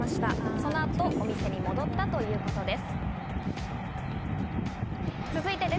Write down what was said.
その後、お店に戻ったということです。